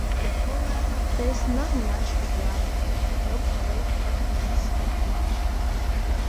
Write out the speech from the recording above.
There's not much drama, no great happenings in it.